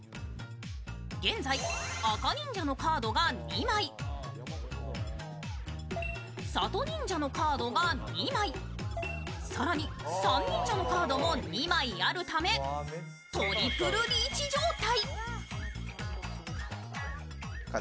現在、赤忍者のカードが２枚、里忍者のカードが２枚、更に３忍者のカードも２枚あるためトリプルリーチ状態。